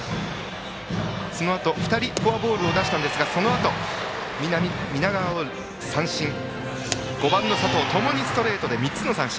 そのあと２人フォアボールを出したんですがそのあと、南川を三振にして５番の佐藤、ストレートで３つの三振。